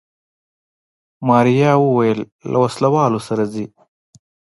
ماريا وويل له وسله والو سره ځي.